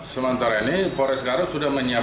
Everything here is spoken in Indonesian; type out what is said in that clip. sementara ini polisi resor garut sudah menyiapkan